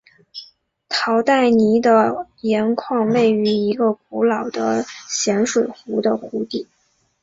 陶代尼的盐矿位于一个古老的咸水湖的湖底。